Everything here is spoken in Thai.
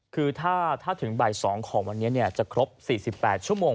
คือถ้าถึงบ่าย๒ของวันนี้จะครบ๔๘ชั่วโมง